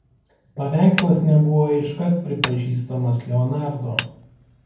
Paveikslas nebuvo iškart pripažįstamas Leonardo.